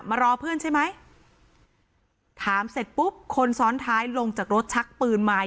มารอเพื่อนใช่ไหมถามเสร็จปุ๊บคนซ้อนท้ายลงจากรถชักปืนมา